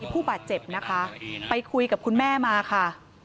ผู้บาดเจ็บนะคะไปคุยกับคุณแม่มาค่ะ